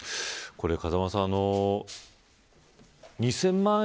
風間さん２０００万円